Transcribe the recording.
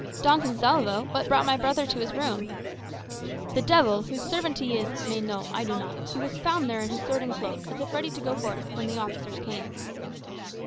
"Don Gonsalvo! What brought my brother to his room?" "The devil, whose servant he is, may know; I do not. He was found there, in his sword and cloak, as if ready to go forth, when the officers came."